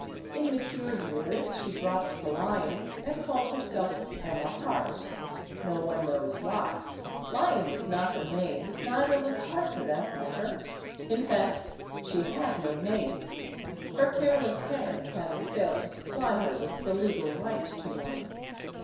In mature years she dropped the "Lyon" and called herself "Emma Harte." No one knows why. Lyon was not her name; neither was Harte, for that matter. In fact, she had no name; her careless parents having failed to supply her with the legal right to one.